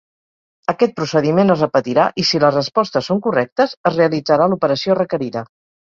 Aquest procediment es repetirà i si les respostes són correctes, es realitzarà l'operació requerida.